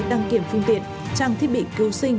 đăng kiểm phương tiện trang thiết bị cứu sinh